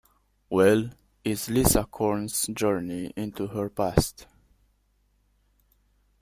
"Well" is "Lisa Kron's journey into her past.